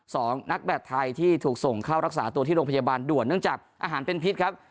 สองนักแบตไทยที่ถูกส่งเข้ารักษาตัวที่โรงพยาบาลด่วนเนื่องจากอาหารเป็นพิษครับ